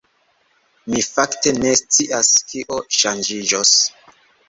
Mi fakte ne scias kio ŝanĝiĝos.